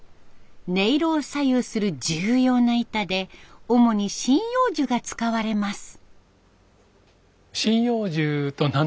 音色を左右する重要な板で主に針葉樹が使われます。